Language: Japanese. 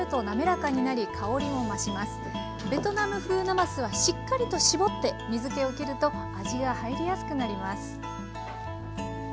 ベトナム風なますはしっかりと絞って水けをきると味が入りやすくなります。